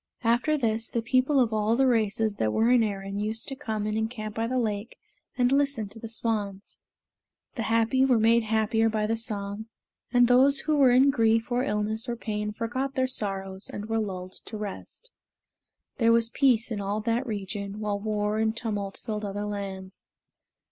After this, the people of all the races that were in Erin used to come and encamp by the lake and listen to the swans. The happy were made happier by the song, and those who were in grief or illness or pain forgot their sorrows and were lulled to rest. There was peace in all that region, while war and tumult filled other lands.